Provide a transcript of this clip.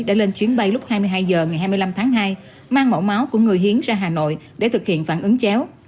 đã lên chuyến bay lúc hai mươi hai h ngày hai mươi năm tháng hai mang mẫu máu của người hiến ra hà nội để thực hiện phản ứng chéo